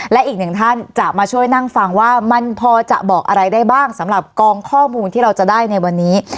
และอีกหนึ่งท่านจะมาช่วยนั่งฟังว่ามันพอจะบอกอะไรได้บ้างสำหรับกองข้อมูลที่เราจะได้ในวันนี้